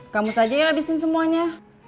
kamu saja habisin semuanya